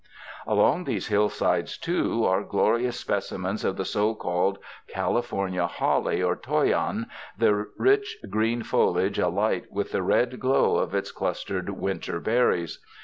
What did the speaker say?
Along these hillsides, too, are glorious speci mens of the so called California holly or toyon, the rich green foliage alight with the red glow of its clustered winter berries.